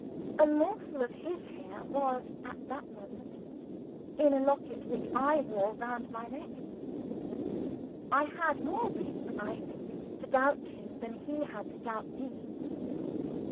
A morsel of his hair was, at that moment, in a locket which I wore round my neck. I had more I think, to doubt him than he had to doubt me.